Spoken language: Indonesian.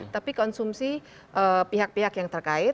tapi konsumsi pihak pihak yang terkait